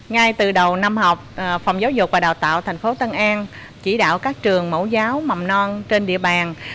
ngay từ đầu năm học phòng giáo dục và đào tạo thành phố tân an chỉ đạo các trường mẫu giáo mầm non trên địa bàn